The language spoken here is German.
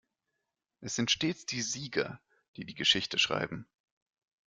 Es sind stets die Sieger, die die Geschichte schreiben.